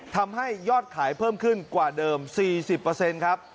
ทำให้ยอดขายเพิ่มขึ้นกว่าเดิม๔๐ครับ